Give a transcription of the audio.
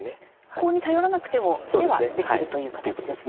コウに頼らなくても眼はできるという形ですね。